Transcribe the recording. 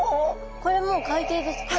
これもう海底ですか？